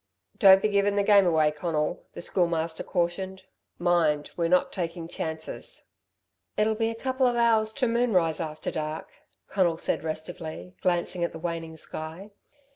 "Don't be giving the game away, Conal," the Schoolmaster cautioned. "Mind, we're not taking chances." "It'll be a couple of hours to moonrise after dark," Conal said restively, glancing at the waning sky.